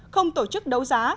không tổ chức đấu giá